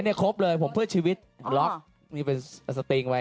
อันนี้ครบเลยผมเพื่อชีวิตล็อคมีเป็นสติงไว้